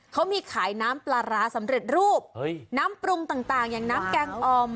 เขามีขายน้ำปลาร้าสำเร็จรูปน้ำปรุงต่างอย่างน้ำแกงอ่อม